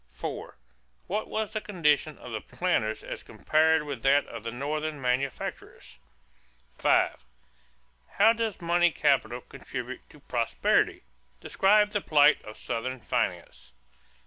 4. What was the condition of the planters as compared with that of the Northern manufacturers? 5. How does money capital contribute to prosperity? Describe the plight of Southern finance.